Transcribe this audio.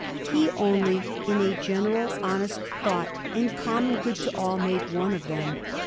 He only in a general honest thought, and common good to all, made one of them.